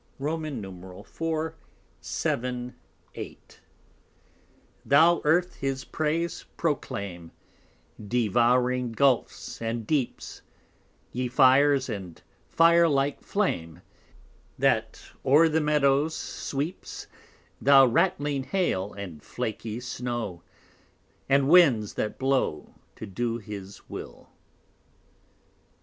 _ IV. 7, 8 _Thou Earth his Praise proclaim, Devouring Gulfs and Deeps; Ye Fires, and fire like Flame, That o'er the Meadows sweeps; Thou rattling Hail, And flaky Snow, And Winds that blow To do his Will.